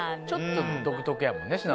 ちょっと、独特やもんね